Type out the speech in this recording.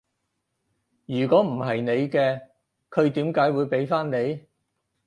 如果唔係你嘅，佢點解會畀返你？